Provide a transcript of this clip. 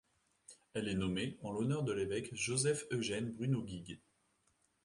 Elle est nommée en l'honneur de l'évêque Joseph-Eugène-Bruno Guigues.